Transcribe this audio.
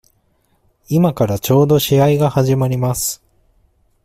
今からちょうど試合が始まります。